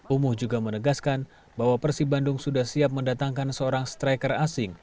umuh juga menegaskan bahwa persib bandung sudah siap mendatangkan seorang striker asing